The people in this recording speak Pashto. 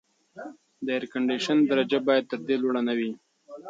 د اېرکنډیشن درجه باید تر دې لوړه نه وي.